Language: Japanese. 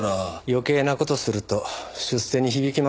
余計な事すると出世に響きますよ。